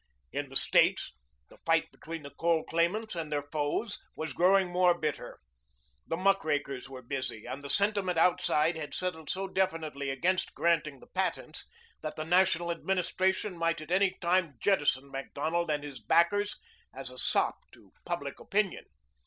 In the States the fight between the coal claimants and their foes was growing more bitter. The muckrakers were busy, and the sentiment outside had settled so definitely against granting the patents that the National Administration might at any time jettison Macdonald and his backers as a sop to public opinion.